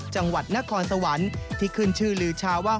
จังหวัดนครสวรรค์ที่ขึ้นชื่อลือชาว่า